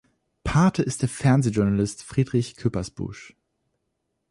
Pate ist der Fernsehjournalist Friedrich Küppersbusch.